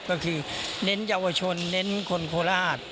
ก็คือเน้นเยาวชนเน้นคนโคราช